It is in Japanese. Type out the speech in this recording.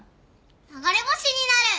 流れ星になる！